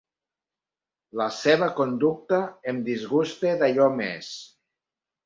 La seva conducta em disgusta d'allò més.